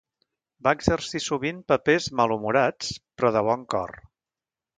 Va exercir sovint papers malhumorats, però de bon cor.